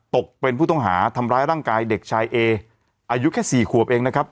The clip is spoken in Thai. ตกเป็นผู้ต้องหาทำร้ายร่างกายเด็กชายเออายุแค่๔ขวบเองนะครับ